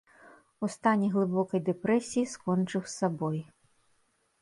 У стане глыбокай дэпрэсіі скончыў з сабой.